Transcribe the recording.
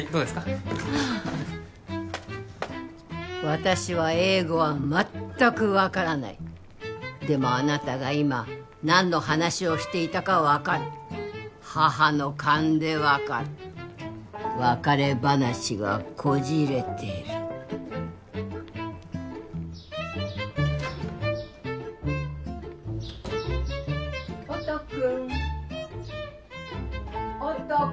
私は英語は全く分からないでもあなたが今何の話をしていたかは分かる母の勘で分かる別れ話がこじれてる音君音君！